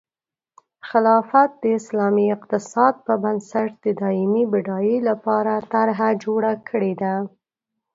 خلافت د اسلامي اقتصاد په بنسټ د دایمي بډایۍ لپاره طرحه جوړه کړې ده.